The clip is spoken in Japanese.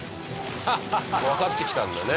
わかってきたんだね。